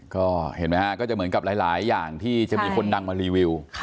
ก็เห็นไหมฮะก็จะเหมือนกับหลายอย่างที่จะมีคนดังมารีวิว